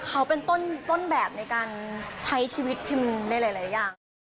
เขาเป็นต้นแบบในการใช้ชีวิตพิมพ์ในหลายอย่าง